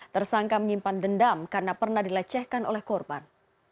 tersangka menyimpan dendam karena pernah dilecehkan oleh korban